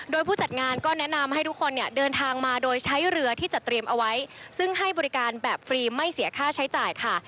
โดยผู้จัดงานก็แนะนำให้ทุกคนเนี่ยเดินทางมาโดยใช้เรือที่จะเตรียมเอาไว้ซึ่งให้บริการแบบฟรีไม่เสียค่าใช้จ่ายค่ะ